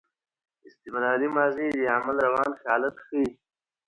استمراري ماضي د عمل روان حالت ښيي.